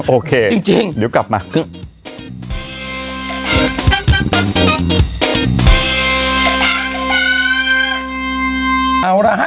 โอเคเดี๋ยวก่อนมา